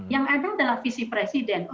yang ada adalah visi presiden